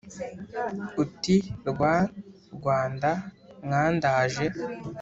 Uti rwa Rwanda mwandaje